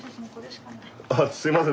あすいません。